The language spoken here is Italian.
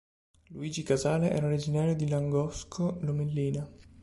Luigi Casale era originario di Langosco Lomellina.